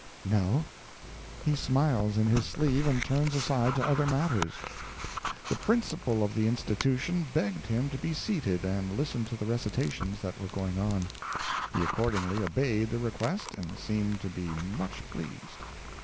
No; he smiles in his sleeve, and turns aside to other matters. The principal of the Institution begged him to be seated and listen to the recitations that were going on. He accordingly obeyed the request, and seemed to be much pleased.